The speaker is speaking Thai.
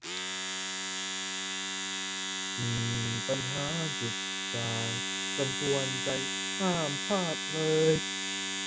มีปัญหาจุดด่างดำกวนใจ ห้ามพลาดเลย